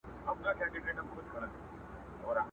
o په سپين سر، کيمخا پر سر!